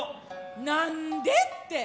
なんでって！